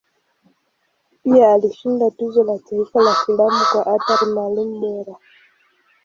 Pia alishinda Tuzo la Taifa la Filamu kwa Athari Maalum Bora.